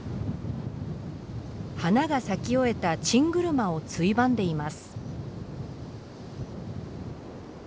花が咲き終えたチングルマをついばんでいます。